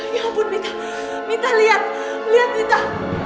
ya ampun mita mita lihat lihat mita